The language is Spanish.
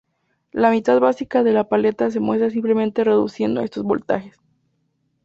La mitad básica de la paleta se muestra simplemente reduciendo estos voltajes.